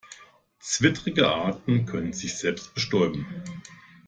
Zwittrige Arten können sich selbst bestäuben.